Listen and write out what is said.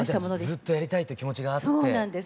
ずっとやりたいって気持ちがあって。